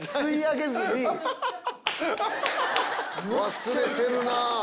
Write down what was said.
忘れてるなぁ。